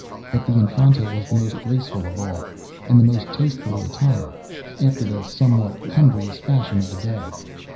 But the Infanta was the most graceful of all, and the most tastefully attired, after the somewhat cumbrous fashion of the day.